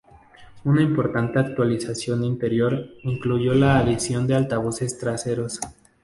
Una importante actualización interior incluyó la adición de altavoces traseros.